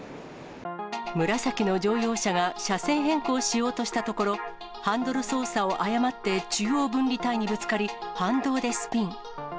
紫の乗用車が車線変更しようとしたところ、ハンドル操作を誤って中央分離帯にぶつかり、反動でスピン。